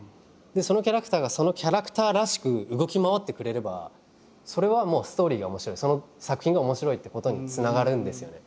そのキャラクターがそのキャラクターらしく動き回ってくれればそれはもうストーリーが面白いその作品が面白いってことにつながるんですよね。